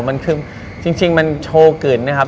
มันคือจริงมันโชว์เกินนะครับ